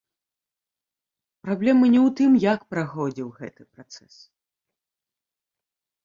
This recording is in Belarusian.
Праблема не ў тым, як праходзіў гэты працэс.